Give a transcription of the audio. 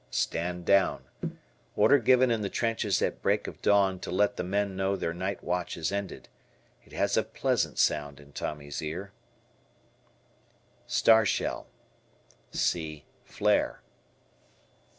Stand Down. Order given in the trenches at break of dawn to let the men know their night watch is ended. It has a pleasant sound in Tommy's ears. Star Shell. See Flare.